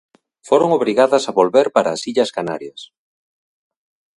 Foron obrigadas a volver para as Illas Canarias.